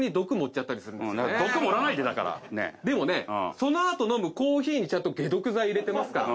その後飲むコーヒーにちゃんと解毒剤入れてますからね。